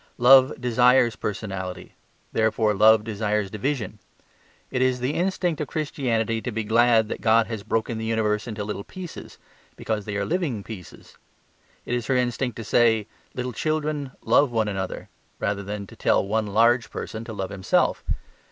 Love desires personality; therefore love desires division. It is the instinct of Christianity to be glad that God has broken the universe into little pieces, because they are living pieces. It is her instinct to say "little children love one another" rather than to tell one large person to love himself.